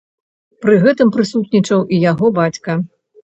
Пры гэтым прысутнічаў і яго бацька.